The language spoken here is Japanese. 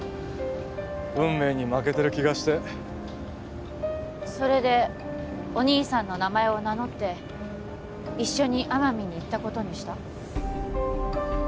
運命に負けてる気がしてそれでお兄さんの名前を名乗って一緒に奄美に行ったことにした？